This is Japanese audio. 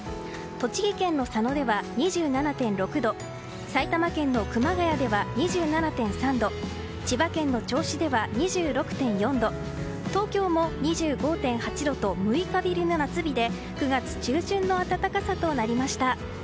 栃木県の佐野では２７．６度埼玉県の熊谷では２７．３度千葉県の銚子では２６．４度東京も２５．８度と６日ぶりの夏日で９月中旬の暖かさとなりました。